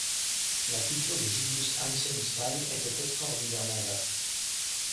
La culture de Julius Eisenstein était extraordinairement vaste.